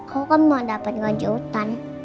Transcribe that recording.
kok kan mau dapet kejutan